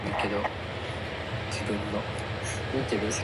Croft was all his life a double-dealer.